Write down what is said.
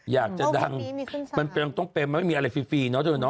อยากจะดังมันต้องเป็นมันไม่มีอะไรฟรีเนาะเธอเนา